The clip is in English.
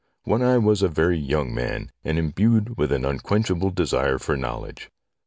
when I was a very young man, and imbued with an unquenchable desire for knowledge.